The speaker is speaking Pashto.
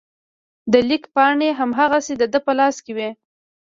د لیک پاڼې هماغسې د ده په لاس کې وې.